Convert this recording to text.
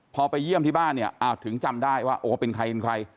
พอไปเยี่ยมที่บ้านเนี่ยอ้าวถึงจำได้ว่าโอ้เป็นใครเป็นใคร